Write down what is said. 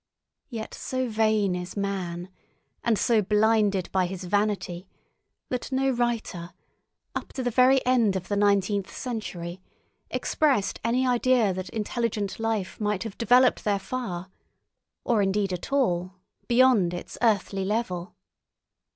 Yet so vain is man, and so blinded by his vanity, that no writer, up to the very end of the nineteenth century, expressed any idea that intelligent life might have developed there far, or indeed at all, beyond its earthly level.